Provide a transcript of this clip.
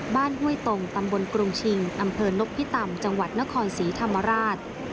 ห้วยตรงตำบลกรุงชิงอำเภอนพิตำจังหวัดนครศรีธรรมราช